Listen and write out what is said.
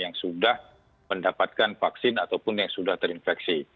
yang sudah mendapatkan vaksin ataupun yang sudah terinfeksi